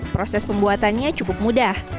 proses pembuatannya cukup mudah